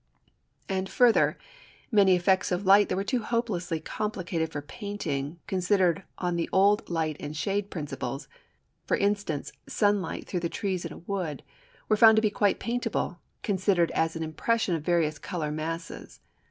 And further, many effects of light that were too hopelessly complicated for painting, considered on the old light and shade principles (for instance, sunlight through trees in a wood), were found to be quite paintable, considered as an impression of various colour masses.